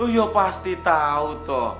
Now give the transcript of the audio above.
iya pasti tau toh